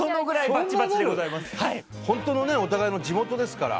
本当のねお互いの地元ですから。